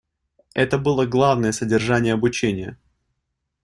Это было главное содержание обучения.